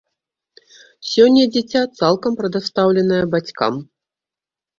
Сёння дзіця цалкам прадастаўленае бацькам.